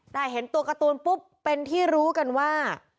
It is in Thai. แต่เห็นตัวการ์ตูนปุ๊บเป็นที่รู้กันว่า